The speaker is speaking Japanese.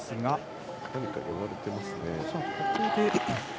何か言われていますね。